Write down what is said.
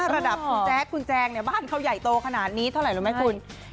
ระดับคุณแจ๊คคุณแจงเนี่ยบ้านเขาใหญ่โตขนาดนี้เท่าไหร่รู้ไหมคุณ